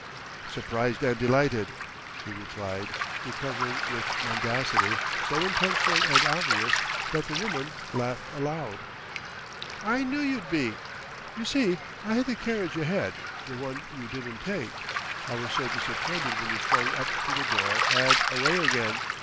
"Surprised and delighted," he replied, recovering, with mendacity so intentional and obvious that the woman laughed aloud. "I knew you'd be!... You see, I had the carriage ahead, the one you didn't take. I was so disappointed when you flung up to the door and away again!